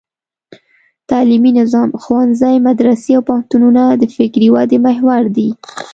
تعلیمي نظام: ښوونځي، مدرسې او پوهنتونونه د فکري ودې محور دي.